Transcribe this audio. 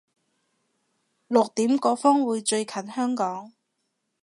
六點個風會最近香港